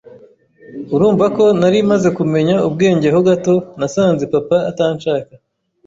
urumva ko nari maze kumenya ubwenge ho gato nasanze papa atanshaka